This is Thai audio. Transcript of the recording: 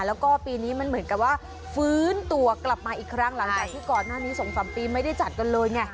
แล้วก็ปีนี้มันเหมือนกับว่าฟื้นตัวกลับมาอีกครั้งหลังจากที่ก่อนหน้านี้๒๓ปีไม่ได้จัดกันเลยไง